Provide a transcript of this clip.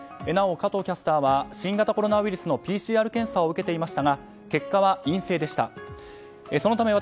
なお、加藤キャスターは新型コロナウイルスのＰＣＲ検査を受けていましたが結果は陰性でした。